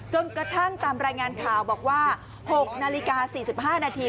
จนกระทั่งตามรายงานข่าวบอกว่า๖นาฬิกา๔๕นาที